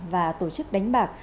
và tổ chức đánh bạc